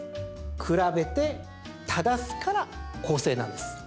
比べて、正すから校正なんです。